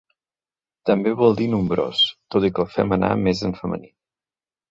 També vol dir nombrós, tot i que el fem anar més en femení.